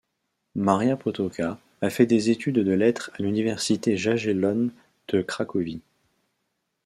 Maria Potocka a fait des études de lettres à l'université Jagellonne de Cracovie.